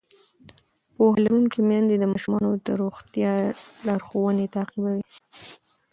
پوهه لرونکې میندې د ماشومانو د روغتیا لارښوونې تعقیبوي.